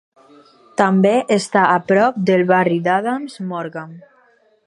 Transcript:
També està a prop del barri d'Adams Morgan.